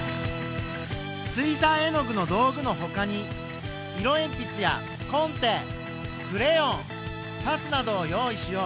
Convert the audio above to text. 水さい絵の具の道具の他に色えん筆やコンテクレヨンパスなどを用意しよう。